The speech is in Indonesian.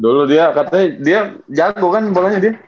dulu dia katanya dia jago kan bolanya dia